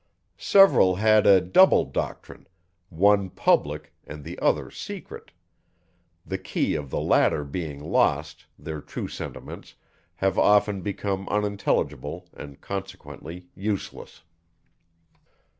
Several had a double doctrine, one public and the other secret; the key of the latter being lost, their true sentiments, have often become unintelligible and consequently useless.